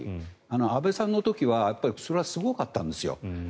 安倍さんの時はそれはすごかったんですよ。